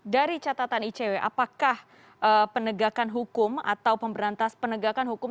dari catatan icw apakah penegakan hukum atau pemberantas penegakan hukum